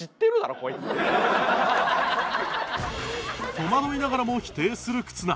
戸惑いながらも否定する忽那